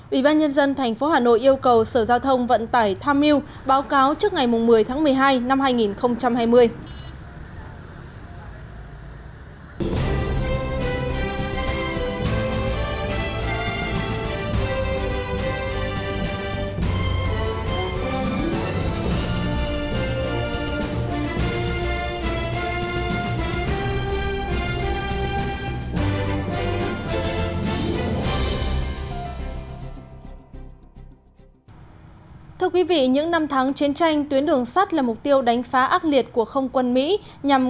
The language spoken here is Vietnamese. bị ban nhân dân tp hà nội yêu cầu sở giao thông vận tải tham miu báo cáo trước ngày một mươi tháng một mươi hai năm hai nghìn hai mươi